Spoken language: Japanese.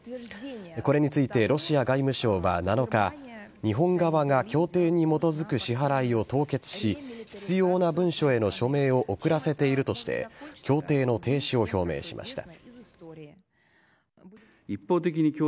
これについてロシア外務省は７日日本側が協定に基づく支払いを凍結し必要な文書への署名を遅らせているとして協定の停止を表明しました。